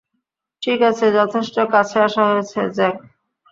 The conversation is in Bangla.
ঠিক আছে, যথেষ্ট কাছে আসা হয়েছে, জ্যাক।